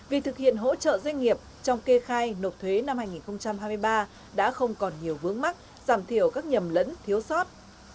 vì thực hiện hỗ trợ doanh nghiệp trong kê khai nộp thuế năm hai nghìn hai mươi ba đã không còn nhiều vướng mắt giảm thiểu các nhầm lẫn thiếu sót